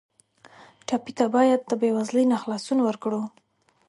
ټپي ته باید د بېوزلۍ نه خلاصون ورکړو.